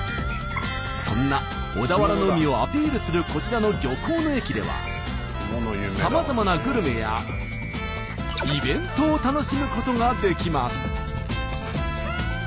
そんな小田原の海をアピールするこちらの漁港の駅ではさまざまなグルメやイベントを楽しむことができます。